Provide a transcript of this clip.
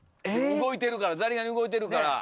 動いてるからザリガニ動いてるから。